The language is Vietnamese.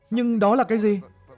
nhưng đó là cái gì